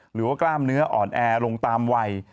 หรือว่ากล้ามเนื้ออ่อนแอลงตามวัย